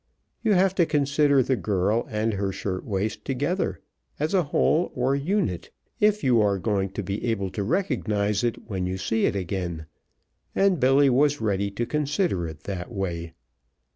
You have to consider the girl and her shirt waist together, as a whole or unit, if you are going to be able to recognize it when you see it again, and Billy was ready to consider it that way.